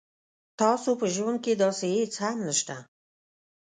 تاسو په ژوند کې داسې هیڅ څه هم نشته